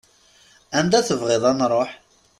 Anda tebɣiḍ ad nruḥ.